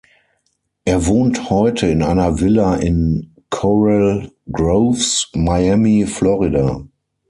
Er wohnt heute in einer Villa in Coral Groves, Miami, Florida.